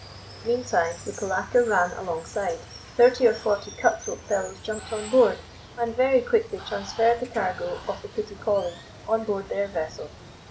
Meantime the polacre ran alongside, thirty or forty cut throat fellows jumped on board, and very quickly transferred the cargo of the Pretty Polly on board their vessel.